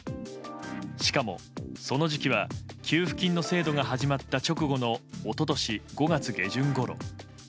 しかもその時期は給付金の制度が始まった直後の一昨年５月下旬ごろ。